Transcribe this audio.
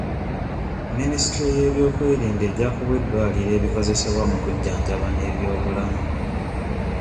Minisitule y'ebyokwerinda ejja kuwa eddwaliro ebikozesebwa mu kujjanjaba n'ebyobulamu.